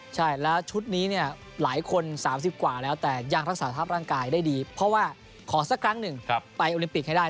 ใช่แล้วชุดนี้เนี่ยหลายคน๓๐กว่าแล้วแต่ยังรักษาสภาพร่างกายได้ดีเพราะว่าขอสักครั้งหนึ่งไปโอลิมปิกให้ได้